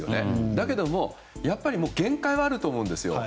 だけども、やっぱり限界があると思います。